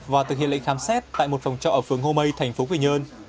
và thực hiện lệnh khám xét tại một phòng trọ ở phường hô mây thành phố quy nhơn